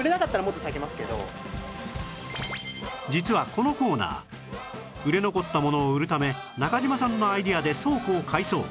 実はこのコーナー売れ残ったものを売るため中島さんのアイデアで倉庫を改装